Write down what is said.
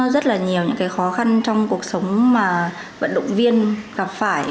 rất là nhiều những cái khó khăn trong cuộc sống mà vận động viên gặp phải